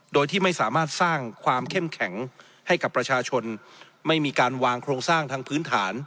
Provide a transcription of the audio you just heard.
โดยที่ไม่สามารถสร้างความเข้มแข็งให้กับประชาชนไม่มีการวางโครงสร้างทางพื้นฐาน